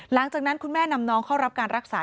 หลังจากนั้นคุณแม่นำน้องเข้ารับการรักษา